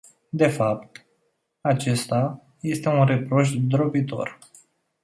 De fapt, acesta este un reproș zdrobitor.